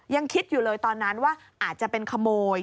ยังคิดอยู่เลยตอนนั้นว่าอาจจะเป็นขโมย